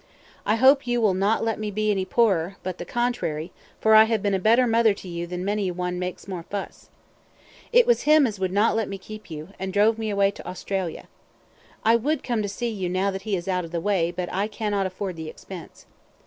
I hope you will not let me be any poorer, but the contrary, for I have been a better mother to you than many a one as makes more fuss. It was him as would not let me keep you, and drove me away to Australia. I would come to see you now that he is out of the way, but I cannot afford the expense.